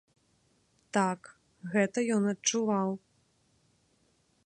Так, гэта ён адчуваў.